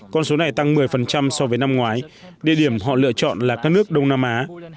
con số này tăng một mươi so với năm ngoái địa điểm họ lựa chọn là các nước đông nam á